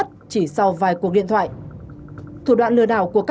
chị nghĩ là đấy là công an